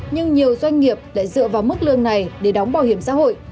nhưng nhiều doanh nghiệp lại dựa vào mức lương này để đóng bảo hiểm xã hội